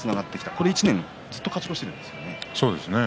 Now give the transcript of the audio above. この１年ずっと勝ち越しているんですよね。